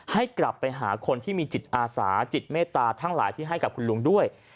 ให้กลับไปหาคนที่มีจิตอาสาจิตเมตตาทั้งหลายที่ให้กับคุณลุงด้วย